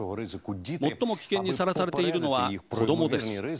最も危険にさらされているのは子どもです。